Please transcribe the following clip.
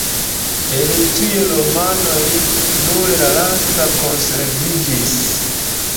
El tiuj romanoj nur la lasta konserviĝis.